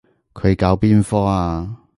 佢搞邊科啊？